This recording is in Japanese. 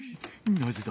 なぜだ？